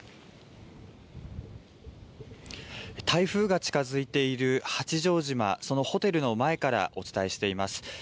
台風が近づいている八丈島、そのホテルの前からお伝えしています。